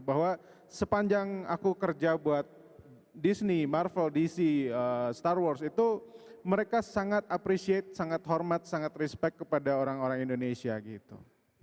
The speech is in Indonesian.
bahwa sepanjang aku kerja buat disney marvel dc star wars itu mereka sangat appreciate sangat hormat sangat respect kepada orang orang indonesia gitu